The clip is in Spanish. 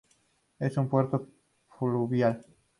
Es un puerto fluvial.